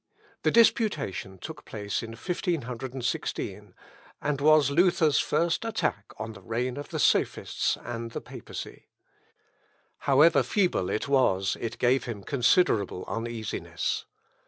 The disputation took place in 1516, and was Luther's first attack on the reign of the sophists and the Papacy. However feeble it was, it gave him considerable uneasiness.